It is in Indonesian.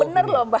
itu benar lho mbak